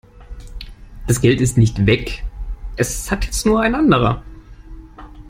Das Geld ist nicht weg, es hat jetzt nur ein anderer.